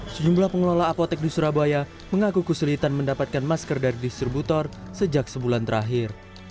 sejumlah pengelola apotek di surabaya mengaku kesulitan mendapatkan masker dari distributor sejak sebulan terakhir